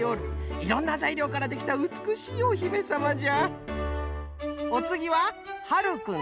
いろんなざいりょうからできたうつくしいお姫様じゃ。